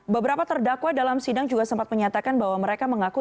beberapa terdakwa dalam sidang juga sempat menyatakan bahwa mereka mengaku